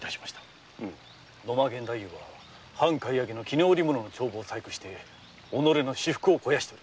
野間源太夫は絹織物の帳簿を細工して己の私腹を肥やし。